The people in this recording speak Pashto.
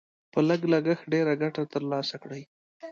په لږ لګښت ډېره ګټه تر لاسه کړئ.